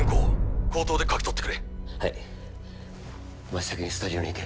お前は先にスタジオに行け。